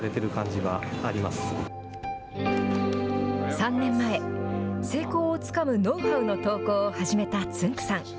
３年前成功をつかむノウハウの投稿を始めたつんく♂さん。